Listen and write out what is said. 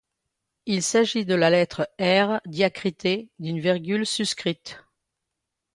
Il s’agit de la lettre R diacritée d’une virgule suscrite.